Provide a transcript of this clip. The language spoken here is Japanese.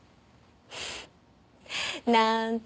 なんて